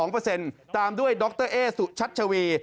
๕๖๗๒เปอร์เซ็นต์ตามด้วยดรเอสุชัชวี